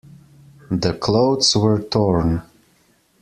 The clothes were torn.